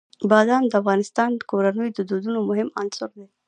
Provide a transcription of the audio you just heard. بادام د افغان کورنیو د دودونو مهم عنصر دی.